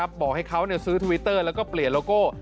บอกให้เขาซื้อทวิตเตอร์แล้วก็เปลี่ยนโลโก้